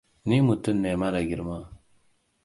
Ni mutum ne mara girma.